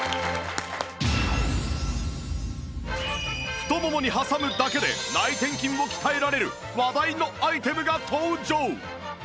太ももに挟むだけで内転筋を鍛えられる話題のアイテムが登場！